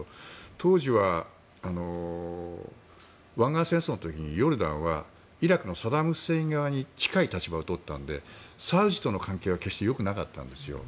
当時は湾岸戦争の時にヨルダンはイラクのサダム・フセイン側に近い立場を取ったのでサウジとの関係は決してよくなかったんです。